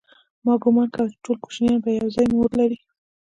ما گومان کاوه چې ټول کوچنيان به يوازې مور لري.